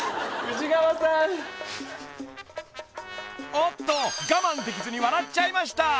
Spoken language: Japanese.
［おっと我慢できずに笑っちゃいました］